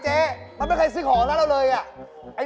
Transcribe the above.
เฮ่ยพี่รอบหลังผมเลยพี่